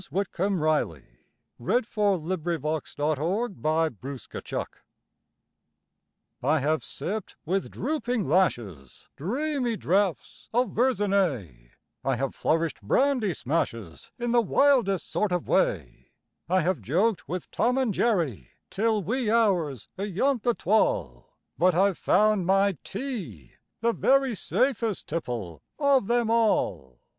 God! how the merest man loves one like that! A CUP OF TEA. I have sipped, with drooping lashes, Dreamy draughts of Verzenay; I have flourished brandy smashes In the wildest sort of way; I have joked with "Tom and Jerry" Till wee hours ayont the twal' But I've found my tea the very Safest tipple of them all!